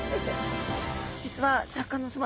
実はシャーク香音さま